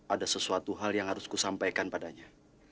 ada sesuatu hal yang harus kusampaikan padanya